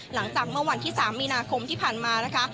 หลังจากเมื่อวันที่๓มีนาคมที่ผ่านมานะคะ